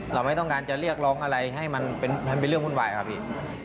เราไม่ต้องการจะเรียกร้องอะไรให้มันเป็นเรื่องวุ่นวายครับพี่